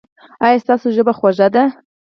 ایا ستاسو ژبه خوږه ده؟